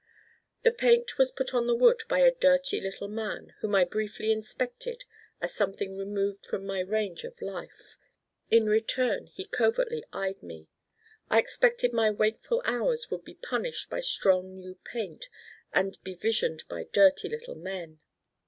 The paint was put on the wood by a dirty little man whom I briefly inspected as something removed from my range of life. In return he covertly eyed me. I expected my wakeful hours would be punished by strong new paint and be visioned by dirty little men.